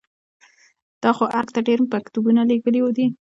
تا خو ارګ ته ډېر مکتوبونه لېږلي دي.